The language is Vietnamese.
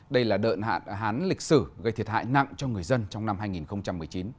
đây là đợt hạn hán lịch sử gây thiệt hại nặng cho người dân trong năm hai nghìn một mươi chín